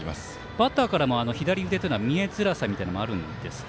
バッターからも左腕というのは見えづらさというのがあるんですか？